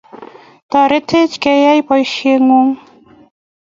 Toretech keyai boisieng'ung',